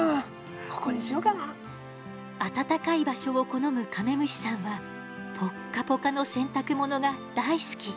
暖かい場所を好むカメムシさんはぽっかぽかの洗濯物が大好き。